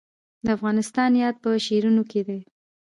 د افغانستان یاد په شعرونو کې دی